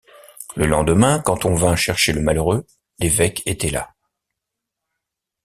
Le lendemain, quand on vint chercher le malheureux, l’évêque était là.